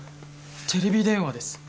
テレビ電話です。